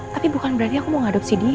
tapi bukan berarti aku mau ngadopsi dia gak